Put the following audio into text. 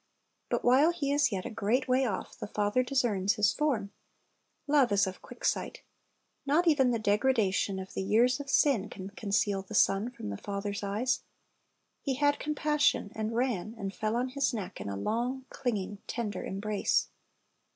But while he is yet "a great way off," the father discerns ,.• his form. Love is of quick sight. '., Not even the degradation of the years of sin can con ceal the son from the father's eyes. He y'^^g/ "had compassion, and >" ran, and fell on his neck" in a long, clinging, tender embrace.